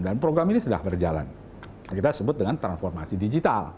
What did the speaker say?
dan program ini sudah berjalan kita sebut dengan transformasi digital